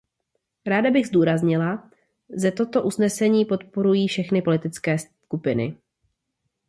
Ráda bych zdůraznila, ze toto usnesení podporují všechny politické skupiny.